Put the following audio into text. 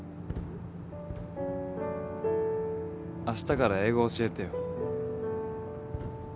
あしたから英語教えてよ。